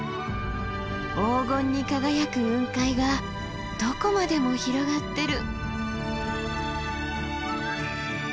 黄金に輝く雲海がどこまでも広がってる。